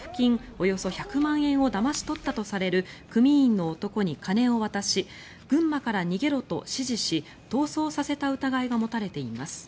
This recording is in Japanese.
およそ１００万円をだまし取ったとされる組員の男に金を渡し群馬から逃げろと指示し逃走させた疑いが持たれています。